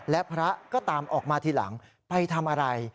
และพระก็ตามออกมาทีหลังไปทำอะไร